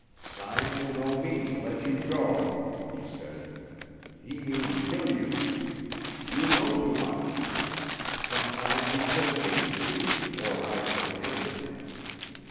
"Simon no mean to let you go," he said. "He mean kill you. You know too much. Sometime he kill me, too, or I kill him.